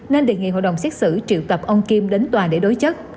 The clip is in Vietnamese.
nên đề nghị hội đồng xét xử triệu tập ông kim đến tòa để đối chất